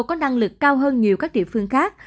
có năng lực cao hơn nhiều các địa phương khác